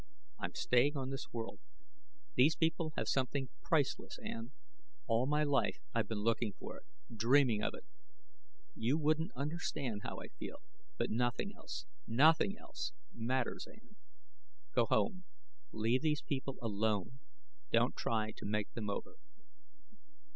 "I'm staying on this world; these people have something priceless, Ann. All my life I've been looking for it, dreaming of it. You wouldn't understand how I feel, but nothing else nothing else matters, Ann. Go home. Leave these people alone. Don't try to make them over."